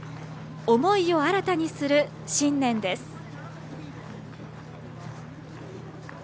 思いを新たにする新年です。